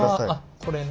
これね。